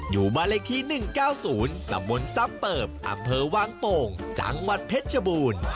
อยู่บาลัยคี๑๙๐ตมซับเปิบอำเภอวางโต่งจังหวัดเพชรชบูรณ์